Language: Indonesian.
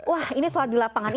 wah ini soal di lapangan